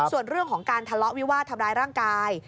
ส่วนเรื่องของการทะเลาะวิวาดทำร้ายร่างกาย